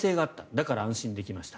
だから安心できました。